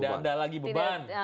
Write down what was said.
tidak ada lagi beban